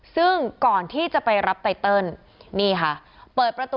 ซึ่งก่อนที่จะไปรับไตเติลนี่ค่ะ